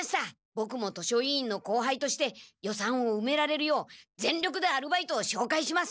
ボクも図書委員の後輩として予算をうめられるよう全力でアルバイトをしょうかいします！